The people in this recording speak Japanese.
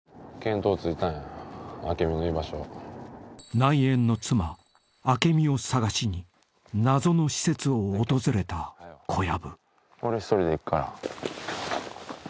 ［内縁の妻アケミを捜しに謎の施設を訪れた小籔］